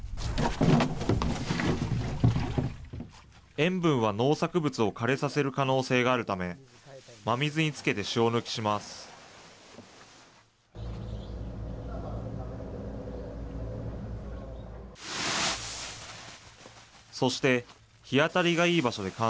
塩分は農作物を枯れさせる可能性があるため、真水につけて塩抜きします。